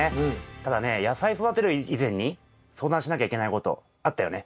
ただね野菜育てる以前に相談しなきゃいけないことあったよね？